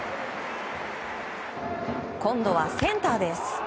今度はセンターです。